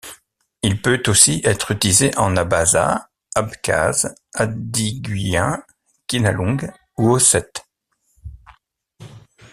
Il peut aussi être utilisé en abaza, abkhaze, adyguéen, khinalug ou ossète.